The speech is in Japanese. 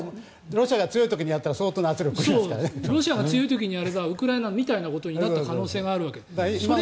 ロシアが強い時にやってもロシアが強い時にやればウクライナみたいなことになった可能性があるわけ。